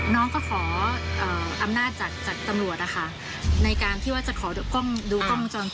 น้องก็ขออำนาจจากตำรวจในการที่ว่าจะขอดูกล้องมุมจรติ